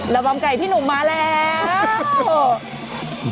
ระวังไก่พี่หนุ่มมาแล้ว